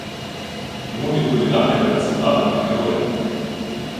Йому відповідати перед солдатами-героями